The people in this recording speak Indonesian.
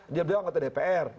dia berdua anggota dpr